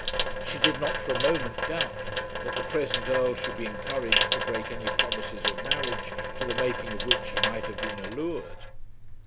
She did not for a moment doubt that the present Earl should be encouraged to break any promises of marriage to the making of which he might have been allured.